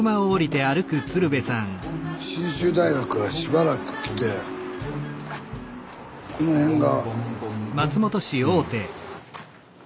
信州大学からしばらく来てこの辺が。